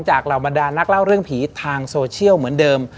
เหล่าบรรดานักเล่าเรื่องผีทางโซเชียลเหมือนเดิม